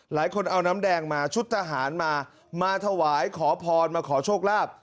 หลายคนเอาน้ำแดงมาชุดทหารมามาถวายขอพรมาขอโชคลาภ